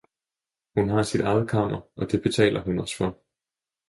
hun har sit eget kammer og det betaler hun os for!